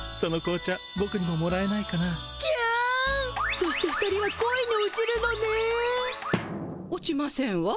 そして２人は恋に落ちるのね♥落ちませんわ。